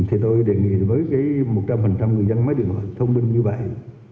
thì tôi đề nghị với một trăm linh người dân máy điện thoại thông minh như vậy